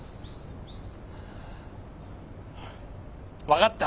分かった。